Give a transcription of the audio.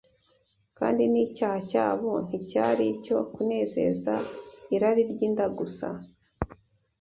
kandi n’icyaha cyabo nticyari icyo kunezeza irari ry’inda gusa